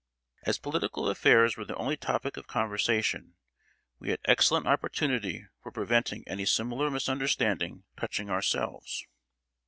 As political affairs were the only topic of conversation, we had excellent opportunity for preventing any similar misunderstanding touching ourselves.